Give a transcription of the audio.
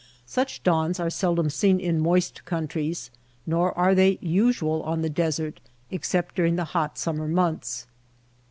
Such dawns are sel dom seen in moist countries, nor are they usual on the desert, except during the hot summer months.